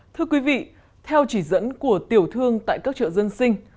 thưa quý vị theo chỉ dẫn của tiểu thương tại các chợ dân sinh